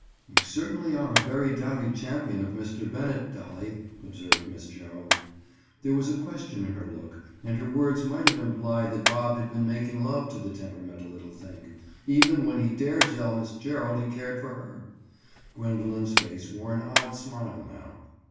"You certainly are a very doughty champion of Mr. Bennett, Dolly," observed Miss Gerald. There was a question in her look and her words might have implied that Bob had been making love to the temperamental little thing, even when he dared tell Miss Gerald he cared for her. Gwendoline's face wore an odd smile now.